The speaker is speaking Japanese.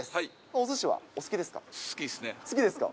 おすしはお好きですか？